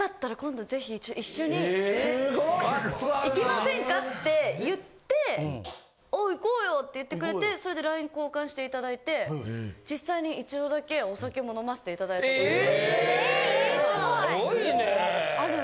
だから、もしよかったら今度ぜひ、一緒に行きませんかって言って、おお、行こうよって言ってくれて、それでＬＩＮＥ交換していただいて、実際に１度だけお酒も飲ませえー、すごいね。